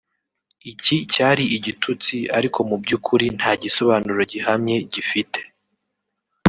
Iki cyari igitutsi ariko mu by’ukuri nta gisobanuro gihamye gifite